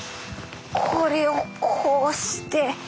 これをこうして。